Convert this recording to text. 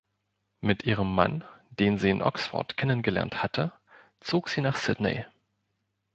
Mit ihrem Mann, den sie in Oxford kennengelernt hatte, zog sie nach Sydney.